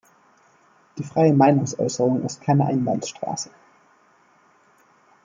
Die freie Meinungsäußerung ist keine Einbahnstraße.